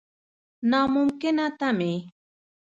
نا ممکنه تمې.